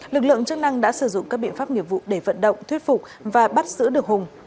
lực lượng chức năng đã sử dụng các biện pháp nghiệp vụ để vận động thuyết phục và bắt giữ được hùng